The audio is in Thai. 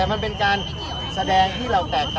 ก็ไม่เหลือว่านักเรียนบ้างเลยค่ะ